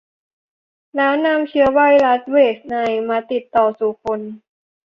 แล้วนำเชื้อไวรัสเวสต์ไนล์มาติดต่อสู่คน